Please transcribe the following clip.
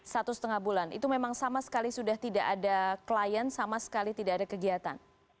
satu setengah bulan itu memang sama sekali sudah tidak ada klien sama sekali tidak ada kegiatan